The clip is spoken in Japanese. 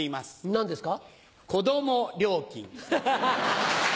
何ですか？